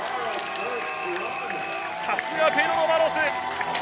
さすがペドロ・バロス。